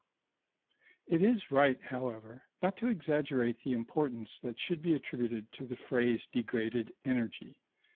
It is right, however, not to exaggerate the importance that should be attributed to the phrase degraded energy.